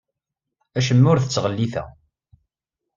Acemma ur t-ttɣelliteɣ.